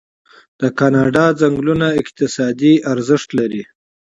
د کاناډا ځنګلونه اقتصادي ارزښت لري.